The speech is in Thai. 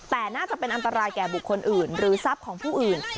แต่น่าจะเป็นอันตรายแก่บุคคลอื่นหรือทรัพย์ของผู้อื่น